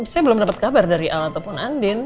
saya belum dapat kabar dari al ataupun andin